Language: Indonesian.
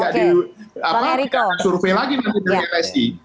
kita akan survei lagi nanti dari psg